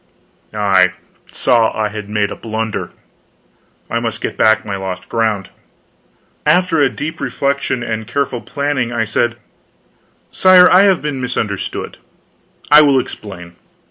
I saw I had made a blunder. I must get back my lost ground. After a deep reflection and careful planning, I said: "Sire, I have been misunderstood. I will explain.